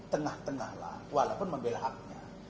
tengah tengahlah walaupun membelah haknya